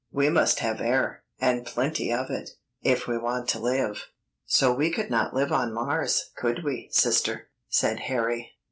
We must have air, and plenty of it, if we want to live." "So we could not live on Mars, could we, sister?" said Harry.